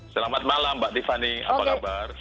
selamat malam mbak tiffany apa kabar